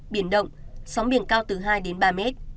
biển động sóng biển cao từ hai đến ba mét